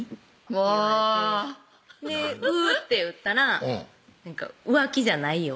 うわ「う」って打ったら「浮気じゃないよ」